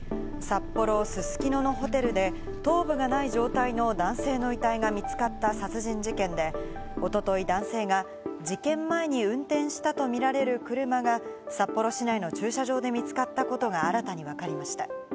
札幌・すすきののホテルで頭部がない状態の男性の遺体が見つかった殺人事件で、おととい男性が事件前に運転したとみられる車が札幌市内の駐車場で見つかったことが新たにわかりました。